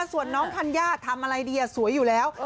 ส่วนน้องธัญญาทำอะไรดีสวยอยู่แล้ว